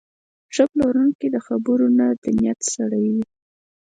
ښه پلورونکی د خبرو نه، د نیت سړی وي.